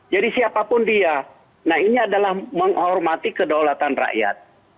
jadi siapapun dia nah ini adalah menghormati kedaulatan rakyat